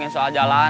terima kasih komandan